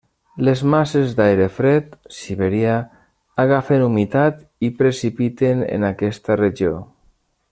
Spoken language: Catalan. Les masses d'aire fred siberià agafen humitat i precipiten en aquesta regió.